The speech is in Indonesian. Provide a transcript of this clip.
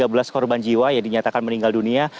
ada tiga belas korban jiwa yang dinyatakan meninggal dunia